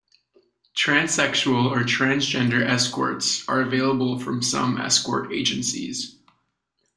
Transsexual or transgender escorts are available from some escort agencies.